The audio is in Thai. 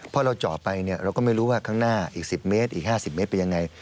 พอเราเจาะไปเนี่ยเราก็ไม่รู้ว่าข้างหน้าอีก๑๐เมตรอีก๕๐เมตรเป็นยังไง